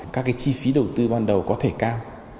các cái chi phí đầu tư ban đầu có thể cao